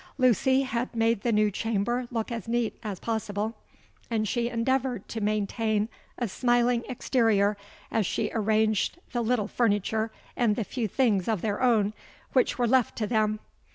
Lucy had made the new chamber look as neat at possible; and she endeavoured to maintain a smiling exterior as she arranged the little furniture and the few things of their own which were left to them.